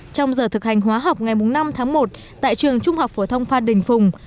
trong giờ thực hành hóa học ngày năm tháng một tại trường trung học phổ thông phan đình phùng